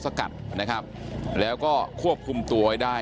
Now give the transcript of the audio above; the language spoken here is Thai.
ตำรวจต้องไล่ตามกว่าจะรองรับเหตุได้